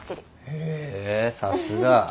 へえさすが。